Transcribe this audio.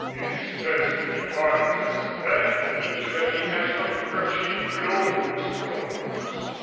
He says that he pardons us that means that he has some crushing blow in store for us."